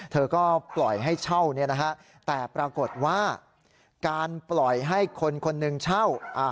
เธอก็ปล่อยให้เช่าแต่ปรากฏว่าการปล่อยให้คนหนึ่งเช่า